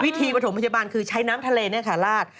วิธีปฐมพยาบาลคือใช้น้ำทะเลเนี่ยค่ะราด